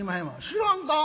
「知らんか？